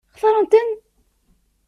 Xtaṛen-ten?